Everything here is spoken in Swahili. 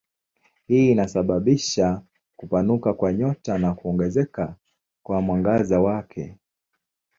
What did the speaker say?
Hii inasababisha kupanuka kwa nyota na kuongezeka kwa mwangaza wake.